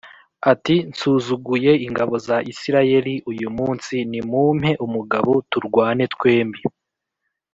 ati “Nsuzuguye ingabo za Isirayeli uyu munsi, nimumpe umugabo turwane twembi.”